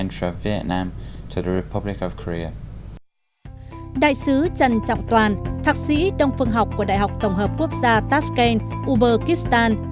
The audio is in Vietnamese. phương học của đại học tổng hợp quốc gia tashkent uzbekistan